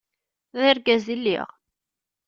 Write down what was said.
D argaz i lliɣ.